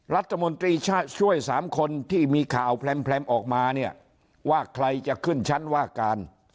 รัฐมนตรีช่วย๓คนที่มีข่าวแพร่มออกมาเนี่ยว่าใครจะขึ้นชั้นว่าการ